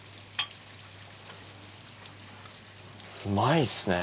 うまいっすね。